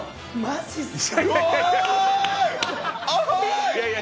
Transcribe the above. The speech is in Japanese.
マジっすか⁉